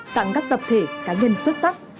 tặng các tập thể cá nhân xuất sắc